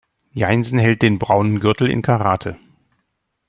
Jeinsen hält den braunen Gürtel in Karate.